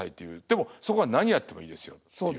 でもそこは何やってもいいですよっていう。